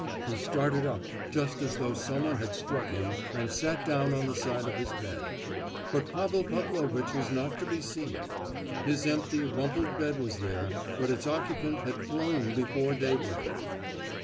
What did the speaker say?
He started up just as though someone had struck him, and sat down on the side of his bed. But Pavel Pavlovitch was not to be seen. His empty, rumpled bed was there, but its occupant had flown before daybreak.